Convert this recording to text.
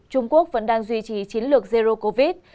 trung quốc vẫn đang duy trì chiến lược zero covid